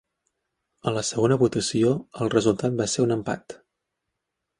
A la segona votació el resultat va ser un empat